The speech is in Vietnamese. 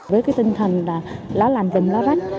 với cái tinh thần là lá làm vùm lá rách